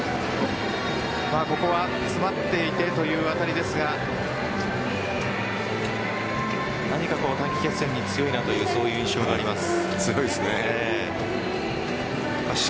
ここは詰まっていてという当たりですが何か短期決戦に強いなという印象があります。